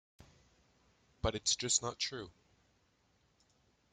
But it's just not true.